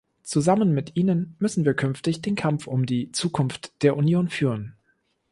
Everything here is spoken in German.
Zusammen mit ihnen müssen wir künftig den Kampf um die Zukunft der Union führen.